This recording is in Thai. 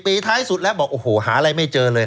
ปีท้ายสุดแล้วบอกโอ้โหหาอะไรไม่เจอเลย